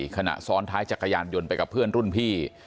ขณะซ้อนท้ายจักรยานยนต์ไปกับเพื่อนรุ่นพี่